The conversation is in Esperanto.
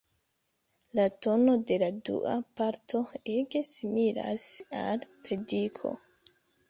La tono de la dua parto ege similas al prediko.